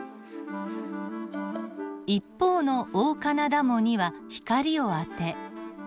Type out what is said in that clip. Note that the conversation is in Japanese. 一方のオオカナダモには光を当て